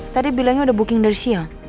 tadi bilangnya udah booking dari siang